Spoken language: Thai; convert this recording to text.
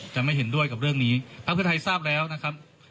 ไม่เห็นด้วยกับเรื่องนี้พักเพื่อไทยทราบแล้วนะครับ